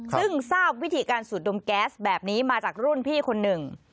ซึ่งทราบวิธีการสูดดมแก๊สแบบนี้มาจากรุ่นพี่คนหนึ่ง